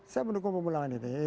saya mendukung pemulangan ini